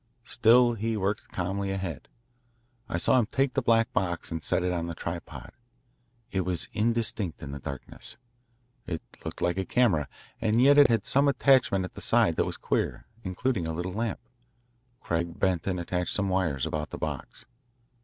Still, he worked calmly ahead. I saw him take the black box and set it on the tripod. It was indistinct in the darkness. It looked like a camera, and yet it had some attachment at the side that was queer, including a little lamp. Craig bent and attached some wires about the box.